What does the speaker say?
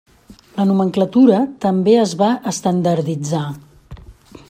La nomenclatura també es va estandarditzar.